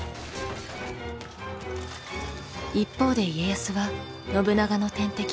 一方で家康は信長の天敵